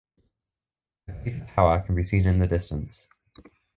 The Khalifa Tower can be seen in the distance.